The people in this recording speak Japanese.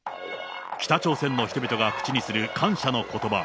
北朝鮮の人々が口にする感謝のことば。